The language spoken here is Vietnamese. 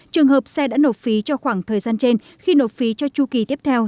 trường hợp xe đã nộp phí cho khoảng thời gian trên khi nộp phí cho chu kỳ tiếp theo